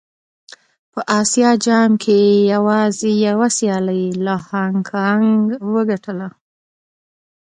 په اسيا جام کې يې يوازې يوه سيالي له هانګ کانګ وګټله.